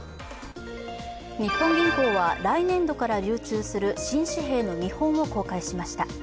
日本銀行は来年度から流通する新紙幣の見本を公開しました。